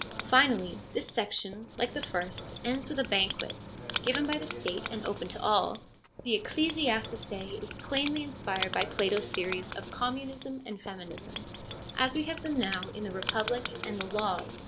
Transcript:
Finally, this section, like the first, ends with a banquet, given by the State, and open to all. The Ecclesiazusce is plainly inspired by Plato's theories of communism and feminism as we have them now in the Republic and the Laws.